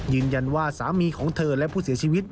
ยืนยันว่าสามีของเธอและผู้เสียชีวิต